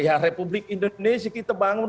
ya republik indonesia kita bangun